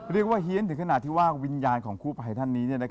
เฮียนถึงขนาดที่ว่าวิญญาณของคู่ภัยท่านนี้